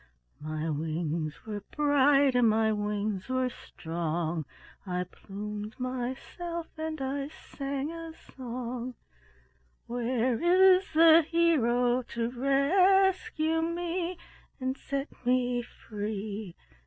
My wings were bright and my wings were strong; I plumed myself and I sang a song: Where is the hero to rescue me, And set me free?